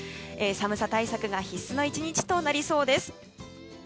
寒さ対策が必須な１日となりそうです。